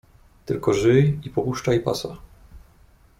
"Tylko żyj i popuszczaj pasa!"